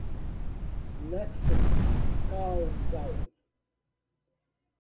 nexo causal